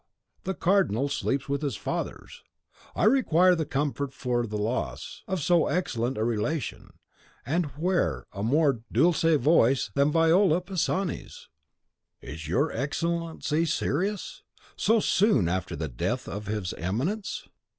the Cardinal sleeps with his fathers. I require comfort for the loss of so excellent a relation; and where a more dulcet voice than Viola Pisani's?" "Is your Excellency serious? So soon after the death of his Eminence?"